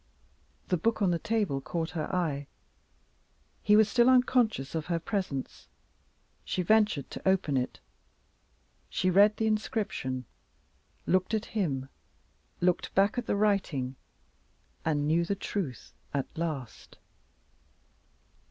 The book on the table caught her eye. He was still unconscious of her presence; she ventured to open it. She read the inscription looked at him looked back at the writing and knew the truth at last.